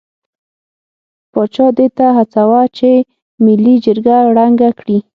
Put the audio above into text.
پاچا دې ته هڅاوه چې ملي جرګه ړنګه کړي.